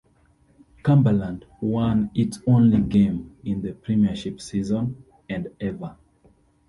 Cumberland won its only game in the premiership season and ever.